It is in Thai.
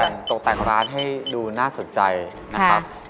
ตกแต่งร้านให้ดูน่าสนใจนะครับ